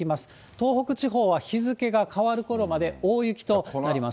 東北地方は日付が変わるころまで大雪となります。